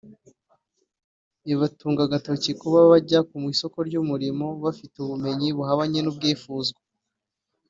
ibatunga agatoki kuba bajya ku isoko ry’umurimo bafite ubumenyi buhabanye n’ubwifuzwa